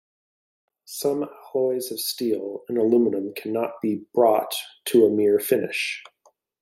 Some alloys of steel and aluminum cannot be brought to a mirror finish.